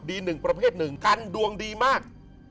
หนึ่งประเภทหนึ่งกันดวงดีมาก